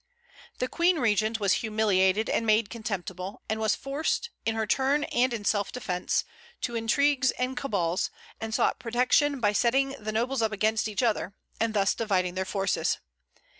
The Queen regent was humiliated and made contemptible, and was forced, in her turn and in self defence, to intrigues and cabals, and sought protection by setting the nobles up against each other, and thus dividing their forces.